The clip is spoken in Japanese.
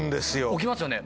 置きますよね